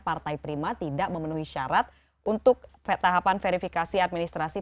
partai prima tidak memenuhi syarat untuk tahapan verifikasi administrasi